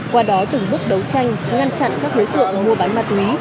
qua đó từng bước đấu tranh ngăn chặn các đối tượng mua bán ma túy